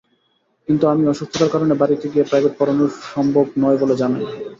কিন্তু আমি অসুস্থতার কারণে বাড়িতে গিয়ে প্রাইভেট পড়ানোর সম্ভব নয় বলে জানাই।